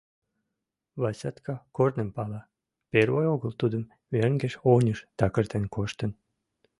Васятка корным пала, первой огыл тудым мӧҥгеш-оньыш такыртен коштын.